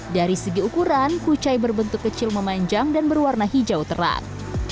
dari segi ukuran kucai berbentuk kecil memanjang dan berwarna hijau terang